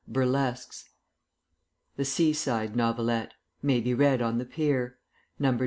BURLESQUES THE SEASIDE NOVELETTE [MAY BE READ ON THE PIER] No.